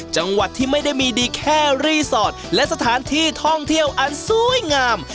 จังหวัดที่ไม่ได้มีดีแค่รีสอร์ทและสถานที่ท่องเที่ยวอันสวยงาม